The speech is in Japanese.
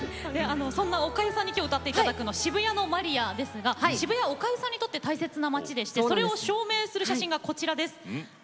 そんなおかゆさんに今日歌って頂く「渋谷のマリア」ですが渋谷はおかゆさんにとって大切な街でしてそれを証明する写真がこちらです。